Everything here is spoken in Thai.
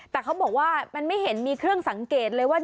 แต่เขาบอกว่ามันไม่เห็นมีเครื่องสังเกตเลยว่า